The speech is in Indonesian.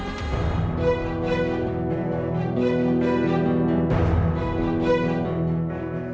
aku akan mencari angin bersamamu